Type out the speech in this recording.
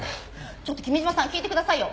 ちょっと君嶋さん聞いてくださいよ。